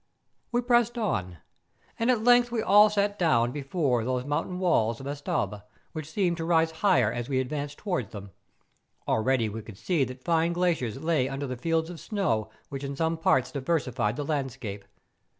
We pressed on, and at length we all sat down be¬ fore these mountain walls of Estaube, which seemed to rise higher as we advanced towards them. Already we could see that fine glaciers lay under the fields of snow which in some parts diversified the landscape.